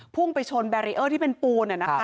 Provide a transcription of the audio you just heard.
พุ่งไปชนแบรีเออร์ที่เป็นปูเนี่ยนะคะ